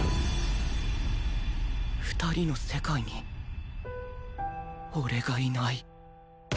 ２人の世界に俺がいない